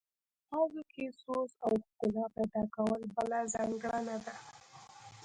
په الفاظو کې سوز او ښکلا پیدا کول بله ځانګړنه ده